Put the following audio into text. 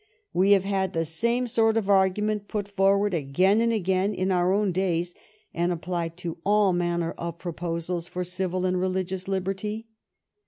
We have had the same sort of argument put forward again and again in our own days, and applied to all manner of proposals for civil and religious liberty.